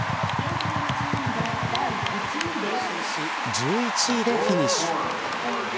１１位でフィニッシュ。